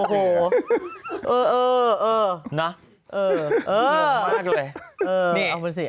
ขูดมากเลย